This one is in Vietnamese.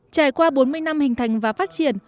trải qua bốn mươi năm hình thành và phát triển